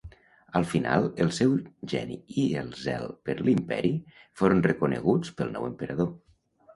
Al final el seu geni i el zel per l'imperi foren reconeguts pel nou emperador.